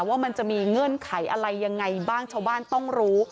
ว่ามันจะมีเงื่อนไขอะไรยังไงบ้างชาวบ้านต้องรู้